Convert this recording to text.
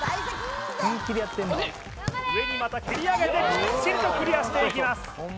幸先いいぜ上にまた蹴り上げてきちんとクリアしていきます